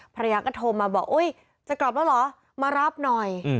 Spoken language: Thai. ภรรยาก็โทรมาบอกอุ๊ยจะกลับแล้วเหรอมารับหน่อย